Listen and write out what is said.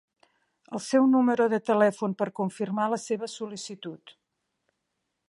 El seu número de telèfon per confirmar la seva sol·licitud.